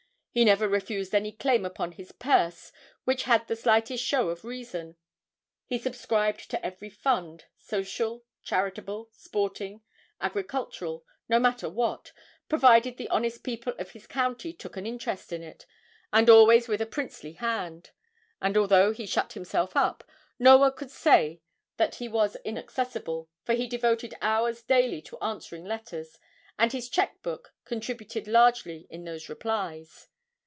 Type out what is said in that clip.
He never refused any claim upon his purse which had the slightest show of reason. He subscribed to every fund, social, charitable, sporting, agricultural, no matter what, provided the honest people of his county took an interest in it, and always with a princely hand; and although he shut himself up, no one could say that he was inaccessible, for he devoted hours daily to answering letters, and his checque book contributed largely in those replies.